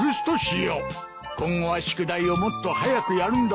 今後は宿題をもっと早くやるんだぞ。